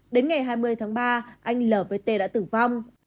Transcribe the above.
đến ngày hai mươi tháng ba anh lvt đã tử vong